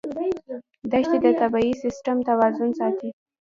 دښتې د طبعي سیسټم توازن ساتي.